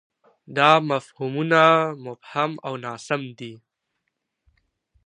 دا مفهومونه مبهم او ناسم دي.